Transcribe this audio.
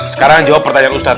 sekarang jadi pertanyaan usap